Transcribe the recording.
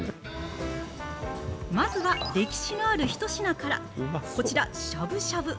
まずは歴史がある一品から、こちら、しゃぶしゃぶ。